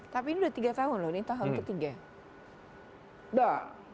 tapi ini udah tiga tahun loh ini tahun ketiga